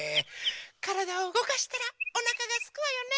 からだをうごかしたらおなかがすくわよね。